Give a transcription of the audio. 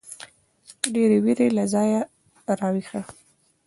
ډېـرې وېـرې له ځايـه راويـښه.